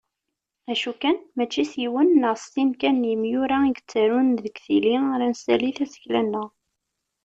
Acu kan mačči s yiwen neɣ s sin kan n yimyura i yettarun deg tili ara nessali tasekla-nneɣ